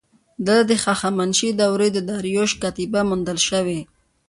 دلته د هخامنشي دورې د داریوش کتیبه موندل شوې